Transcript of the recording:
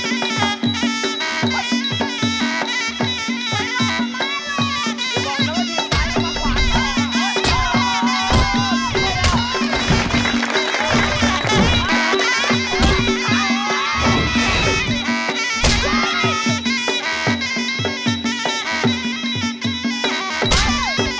ุฏิแม่โรงรับราศาสตร์บริเนียล